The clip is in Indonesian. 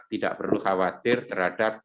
tidak perlu khawatir terhadap